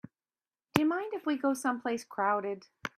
Do you mind if we go someplace crowded?